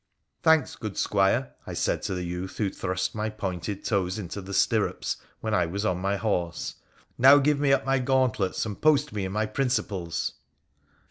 ' Thanks, good squire !' I said to the youth who thrust my pointed toes into the stirrups when I was on my horse. 'Now give me up my gauntlets and post me in my prin cip'es.'